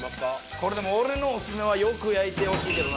これでも俺のオススメはよく焼いてほしいけどな。